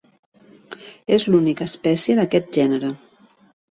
És l'única espècie d'aquest gènere.